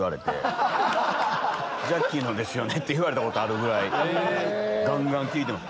ジャッキーのですよね？って言われたことあるぐらいガンガン聴いてます。